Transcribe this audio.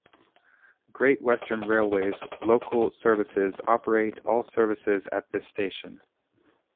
Great Western Railway's local services operate all services at this station.